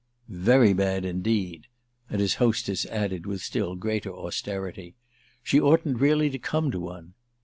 "Very bad indeed." And his hostess added with still greater austerity: "She oughtn't really to come to one!"